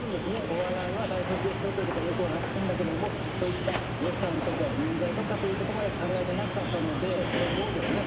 お笑いは大切ですよという事はよくわかったんだけどもそういった予算とか人材とかという事まで考えてなかったのでそこをですね